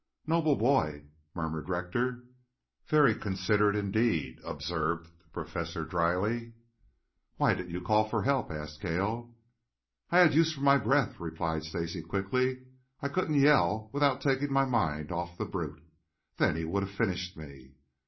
"Noble boy!" murmured Rector. "Very considerate, indeed," observed the Professor dryly. "Why didn't you call for help?" asked Cale. "I had use for my breath," replied Stacy quickly. "I couldn't yell without taking my mind off the brute. Then he would have finished me.